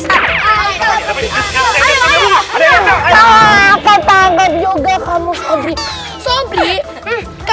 sekali kamu sebik court